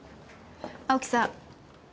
青木さん。